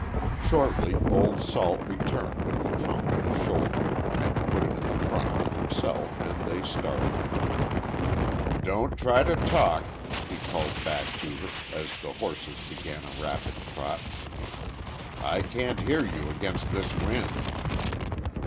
Shortly, old Salt returned with the trunk on his shoulder, and put it in the front with himself, and they started. "Don't try to talk," he called back to her, as the horses began a rapid trot. "I can't hear you against this wind."